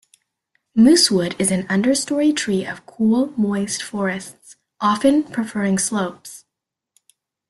Moosewood is an understory tree of cool, moist forests, often preferring slopes.